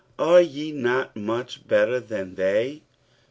Are ye not much better than they?